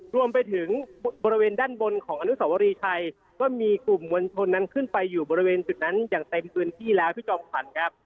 รวมไปถึงบริเวณด้านบนของอนุสวรีชัยก็มีกลุ่มมวลชนนั้นขึ้นไปอยู่บริเวณจุดนั้นอย่างเต็มพื้นที่แล้วพี่จอมขวัญครับ